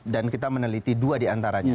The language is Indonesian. dan kita meneliti dua di antaranya